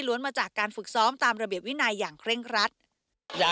มาจากการฝึกซ้อมตามระเบียบวินัยอย่างเคร่งครัด